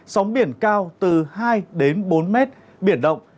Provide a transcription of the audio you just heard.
sóng biển cao từ hai bốn m biển động